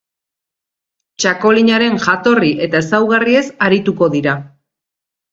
Txakolinaren jatorri eta ezaugarriez arituko dira.